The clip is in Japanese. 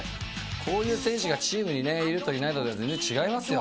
こういう選手がチームにねいるといないとでは全然違いますよ。